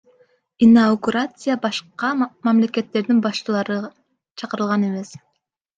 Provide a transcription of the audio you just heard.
Инаугурацияга башка мамлекеттердин башчылары чакырылган эмес.